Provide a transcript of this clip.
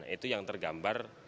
itu yang tergambar